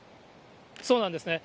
そうなんですね。